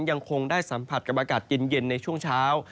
ยังคงได้สัมผัสกับอากาศเย็นในช่วงเช้า